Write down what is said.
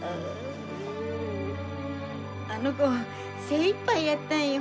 あの子精いっぱいやったんよ。